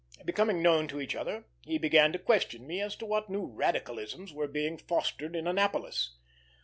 Becoming known to each other, he began to question me as to what new radicalisms were being fostered in Annapolis.